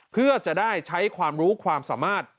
เพื่อจะได้ใช้ความรู้ความสามารถ